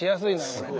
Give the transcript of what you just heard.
これね。